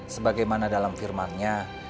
sebagaimana dalam firmannya